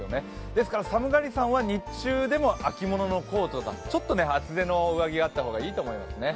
ですから寒がりさんは日中でも秋物のコートちょっと厚手の上着があった方がいいかもしれないですね。